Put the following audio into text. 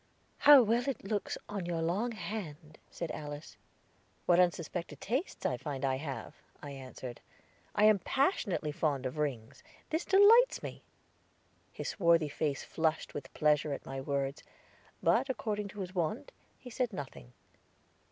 "How well it looks on your long hand!" said Alice. "What unsuspected tastes I find I have!" I answered. "I am passionately fond of rings; this delights me." His swarthy face flushed with pleasure at my words; but, according to his wont, he said nothing.